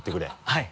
はい。